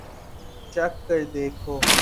چکھ کر دیکھو